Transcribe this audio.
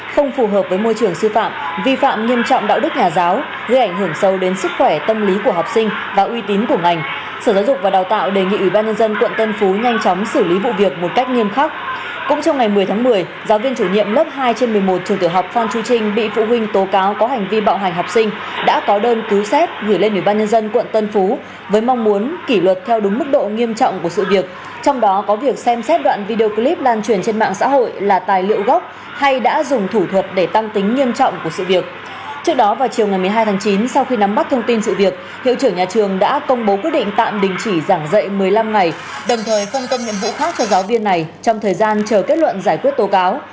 khi nắm bắt thông tin sự việc hiệu trưởng nhà trường đã công bố quyết định tạm đình chỉ giảng dạy một mươi năm ngày đồng thời phân công nhiệm vụ khác cho giáo viên này trong thời gian chờ kết luận giải quyết tố cáo